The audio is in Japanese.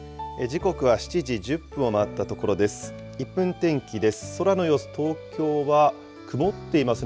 時刻は７時１０分を回ったところです。